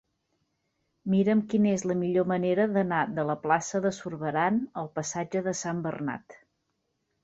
Mira'm quina és la millor manera d'anar de la plaça de Zurbarán al passatge de Sant Bernat.